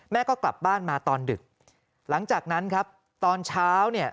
แม่ก็กลับบ้านมาตอนดึกหลังจากนั้นครับตอนเช้าเนี่ย